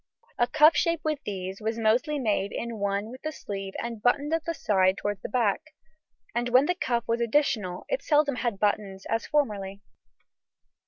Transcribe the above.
A cuff shape with these was mostly made in one with the sleeve and buttoned at the side towards the back, and when the cuff was additional, it seldom had buttons, as formerly.